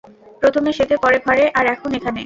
প্রথমে সেতে, পরে ঘরে, আর এখন এখানে।